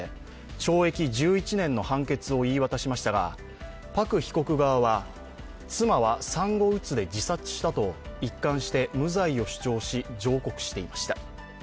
懲役１１年の判決を言い渡しましたがパク被告側は、妻は産後うつで自殺したと一貫して無罪を主張し上告していました。